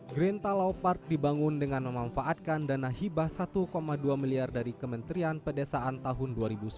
green talau park dibangun dengan memanfaatkan dana hibah satu dua miliar dari kementerian pedesaan tahun dua ribu sembilan belas